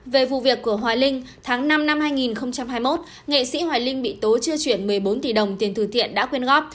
về vụ việc của hoài linh tháng năm năm hai nghìn hai mươi một nghệ sĩ hoài linh bị tố chưa chuyển một mươi bốn tỷ đồng tiền từ thiện đã quyên góp